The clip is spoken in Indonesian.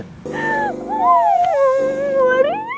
gue mau keluar ya